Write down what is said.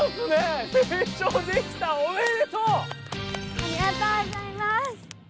ありがとうございます！